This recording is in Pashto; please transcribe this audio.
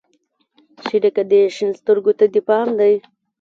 شريکه دې شين سترگو ته دې پام دى.